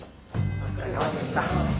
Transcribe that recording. お疲れさまでした。